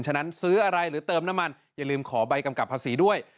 ฉะนั้นซื้ออะไรหรือเติมน้ำมันอย่าลืมขอใบกำกับภาษีด้วย